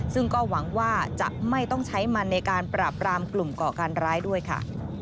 ซึ่งก็หวังว่าจะไม่ต้องใช้มันในการปราบรามกลุ่มก่อการร้ายด้วยค่ะ